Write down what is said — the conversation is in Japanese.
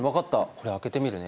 これ開けてみるね。